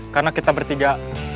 karena kita bertiga